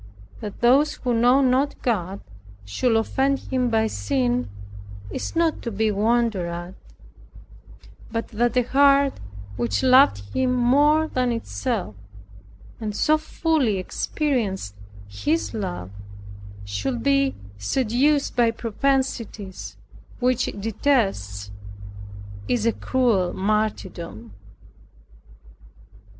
That those who know not God should offend Him by sin is not to be wondered at, but that a heart which loved Him more than itself, and so fully experienced His love, should be seduced by propensities which it detests, is a cruel martyrdom.